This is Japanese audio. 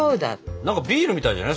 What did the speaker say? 何かビールみたいじゃない？